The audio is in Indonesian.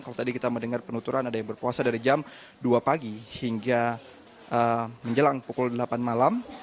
kalau tadi kita mendengar penuturan ada yang berpuasa dari jam dua pagi hingga menjelang pukul delapan malam